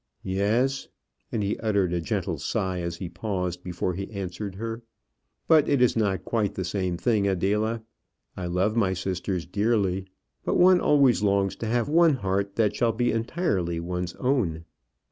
"Yes;" and he uttered a gentle sigh as he paused before he answered her. "But it is not quite the same thing, Adela. I love my sisters dearly; but one always longs to have one heart that shall be entirely one's own."